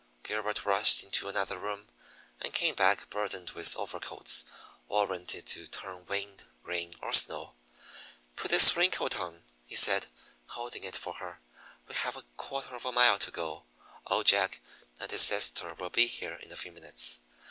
Gilbert rushed into another room, and came back burdened with overcoats warranted to turn wind, rain, or snow. "Put this raincoat on," he said, holding it for her. "We have a quarter of a mile to go. Old Jack and his sister will be here in a few minutes."